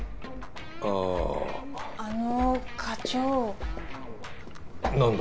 あああの課長何だ？